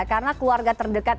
karena keluarga terdekat